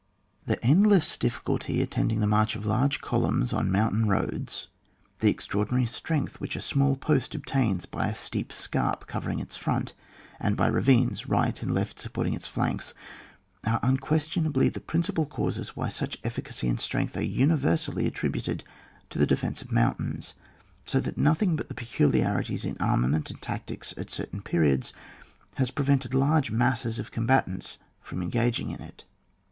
The endless difficulty attending the march of large colimms on motmtain roads, the extraordinary strength which a small post obtains by a steep scarp covering its front, and by ravines right and left supporting its flanks, are un questionably the principal causes why such efficacy and strength are universally attributed to the defence of mountains, so that nothing but the peculiarities in armament and tactics at certain periods has prevented large masses of combatants from engaging in it.